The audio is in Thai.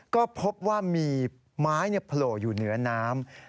ก็พบว่ามีไม้โผล่อยู่เหนือน้ำ